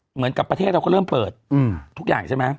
เหมือนกับประเทศเราก็เริ่มเปิดทุกอย่างใช่ไหม